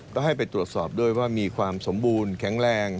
ก็ให้ไปตรวจสอบด้วยว่ามีความสมบูรณ์แข็งแรง